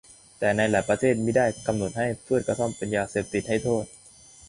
แต่ในหลายประเทศมิได้กำหนดให้พืชกระท่อมเป็นยาเสพติดให้โทษ